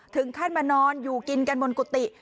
ถึงขั้นมานอนอยู่กินกันบนกุฏิ